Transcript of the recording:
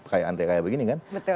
kayak andre kayak begini kan